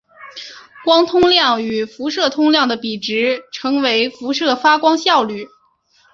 光通量与辐射通量的比值称为辐射发光效率。